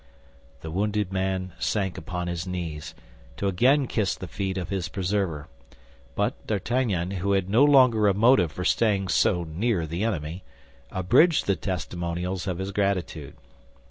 The wounded man sank upon his knees, to again kiss the feet of his preserver; but D'Artagnan, who had no longer a motive for staying so near the enemy, abridged the testimonials of his gratitude.